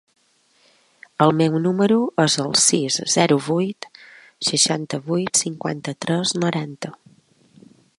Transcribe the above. El meu número es el sis, zero, vuit, seixanta-vuit, cinquanta-tres, noranta.